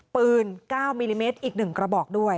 ปืน๙มิลลิเมตรอีก๑กระบอกด้วย